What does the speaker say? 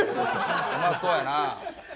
うまそうやな。